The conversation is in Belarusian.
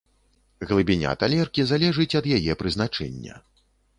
Глыбіня талеркі залежыць ад яе прызначэння.